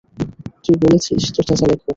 তুই বলেছিস তোর চাচা লেখক।